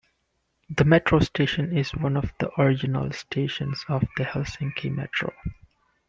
The metro station is one of the original stations of the Helsinki Metro.